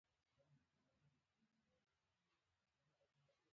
د شهدا او معلولینو وزارت مرستې کوي